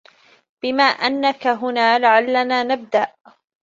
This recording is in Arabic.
بما أنك هنا، لعلنا نبدأ.